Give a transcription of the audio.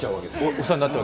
お世話になってる。